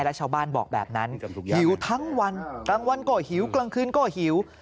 แล้วชาวบ้านบอกแบบนั้นหิวทั้งวันกลางวันก็หิวกลางคืนก็หิว